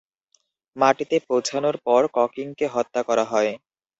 মাটিতে পৌঁছানোর পর ককিংকে হত্যা করা হয়।